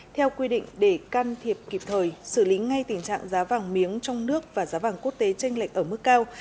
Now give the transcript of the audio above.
theo quy định để can thiệp kịp thời xử lý ngay tình trạng giá vàng miếng trong nước và giá vàng quốc tế tranh lệch ở mức cao